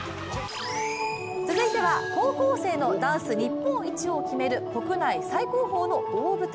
続いては高校生のダンス日本一を決める国内最高峰の大舞台。